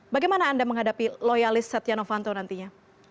bagaimana anda menghadapi loyalis setia novanto nantinya